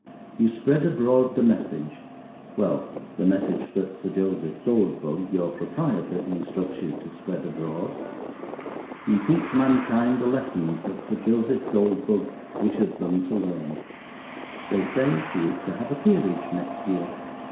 You spread abroad the message—well, the message that Sir Joseph Goldbug, your proprietor, instructs you to spread abroad. You teach mankind the lessons that Sir Joseph Goldbug wishes them to learn. They say he is to have a peerage next year.